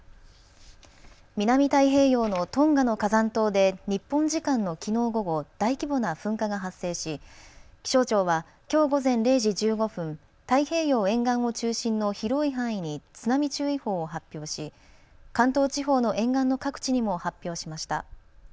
南太平洋のトンガの火山島で日本時間のきのう午後、大規模な噴火が発生し、気象庁はきょう午前０時１５分、太平洋沿岸を中心の広い範囲に津波注意報を発表し関東地方の沿岸の各地にも発表しました。